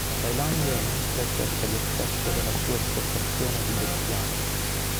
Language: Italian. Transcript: La Thailandia inoltre cerca di accrescere la sua esportazione di bestiame.